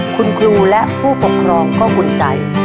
คุณครูและผู้ปกครองก็อุ่นใจ